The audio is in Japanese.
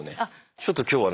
ちょっと今日はね